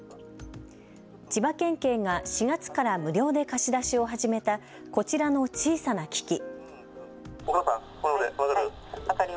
千葉県警が４月から無料で貸し出しを始めたこちらの小さな機器。